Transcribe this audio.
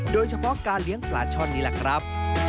โดยเฉพาะการเลี้ยงปลาช่อนนี่แหละครับ